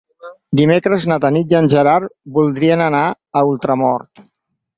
Dimecres na Tanit i en Gerard voldrien anar a Ultramort.